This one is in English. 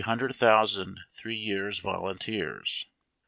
199 hundred thousand three years' volunteers.